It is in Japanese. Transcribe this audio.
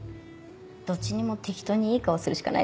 どっちにも適当にいい顔するしかないでしょ。